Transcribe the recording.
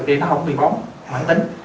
thì nó cũng bị bóng mãn tính